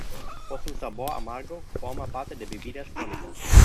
Por su sabor amargo, forma parte de bebidas tónicas.